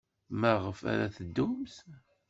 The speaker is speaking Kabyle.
Maɣef ara teddumt?